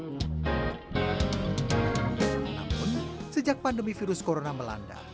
namun sejak pandemi virus corona melanda